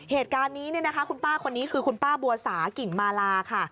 เหตุการณ์นี้เนี่ยนะคะคุณป้าคนนี้คือคุณป้าบัวสากิ่งมาลาค่ะ